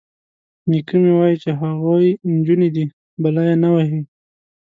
_نيکه مې وايي چې هغوی نجونې دي، بلا يې نه وهي.